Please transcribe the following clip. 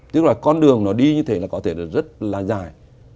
tức là con đường nó đi như thế là có thể rất là dài